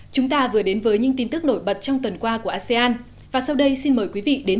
chúng ta vừa đến với những tin tức nổi bật trong tuần qua của asean và sau đây xin mời quý vị đến